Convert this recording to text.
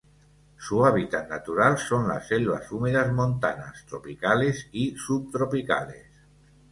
Su hábitat natural son las selvas húmedas montanas tropicales y subtropicales.